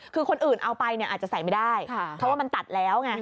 คือคนอื่นเอาไปเนี่ยอาจจะใส่ไม่ได้เพราะว่ามันตัดแล้วไง